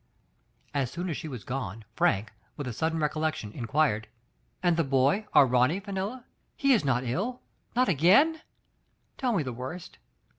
As soon as she was gone, Frank, with a sudden recollection, inquired, "And the boy, our Ronny, Fenella? He is not ill — not again f Tell me the worst.